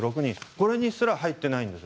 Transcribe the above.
これにすら入っていないんです。